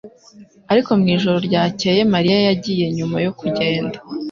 ariko mwijoro ryakeye Mariya yagiye nyuma yo kugenda.